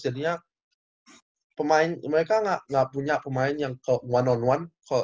jadinya pemain mereka nggak punya pemain yang one on one